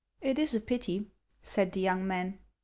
It is a pity," said the young man.